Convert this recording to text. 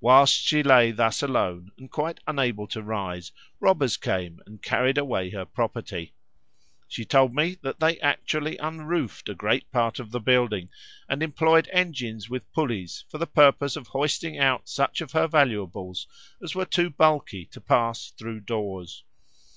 Whilst she lay thus alone, and quite unable to rise, robbers came and carried away her property. She told me that they actually unroofed a great part of the building, and employed engines with pulleys, for the purpose of hoisting out such of her valuables as were too bulky to pass through doors.